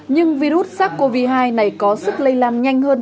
nhưng virus sars cov hai này có sức lây lan nhanh hơn